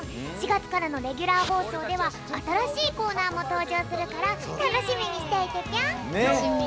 ４月からのレギュラー放送ではあたらしいコーナーもとうじょうするからたのしみにしていてぴょん！